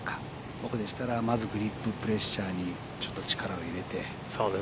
僕でしたらまずグリッププレッシャーにちょっと力を入れて。